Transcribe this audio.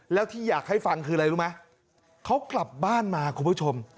แล้วที่อยากให้ฟังคืออะไรรู้ไหมเขากลับบ้านมาคุณผู้ชม